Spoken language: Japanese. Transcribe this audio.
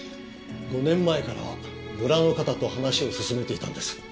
５年前から村の方と話を進めていたんです。